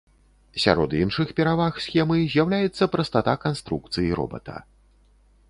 Сярод іншых пераваг схемы з'яўляецца прастата канструкцыі робата.